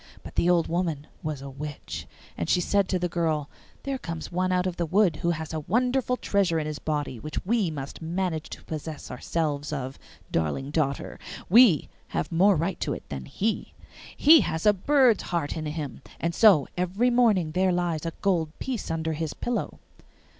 But the old woman was a witch, and she said to the girl, 'There comes one out of the wood who has a wonderful treasure in his body which we must manage to possess ourselves of, darling daughter; we have more right to it than he. He has a bird's heart in him, and so every morning there lies a gold piece under his pillow.